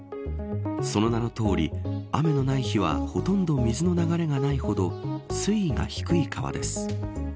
その名のとおり雨のない日はほとんど水の流れがないほど水位が低い川です。